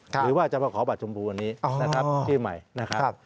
หรือว่าจะมาขอบัตรชมพูวันนี้นะครับที่ใหม่นะครับ